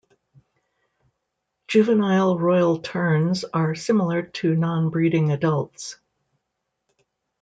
Juvenile royal terns are similar to non-breeding adults.